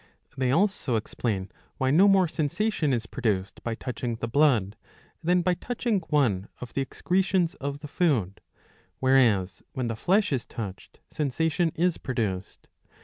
They also explain why no more sensation is produced by touching the blood, than by touching one of the excretions or the food, whereas when the flesh is touched sensation is produced.